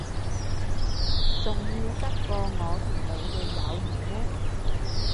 重要得過我同你嘅友誼咩？